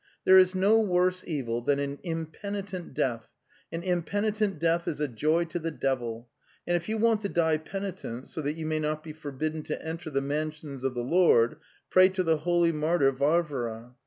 'There is no worse evil than an impenitent death; an impenitent death is a joy to the devil. And if you want to die penitent, so that you may not be forbidden to enter the mansions of the Lord, pray to the holy martyr Varvara.